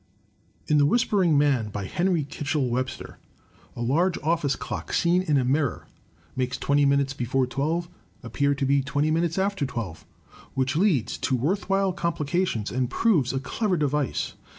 In "The Whispering Man," by Henry Kitchell Webster, a large oflSce clock seen in a mirror, makes twenty minutes before twelve appear to be twenty minutes after twelve, which leads to worth while complications, and proves a clever device.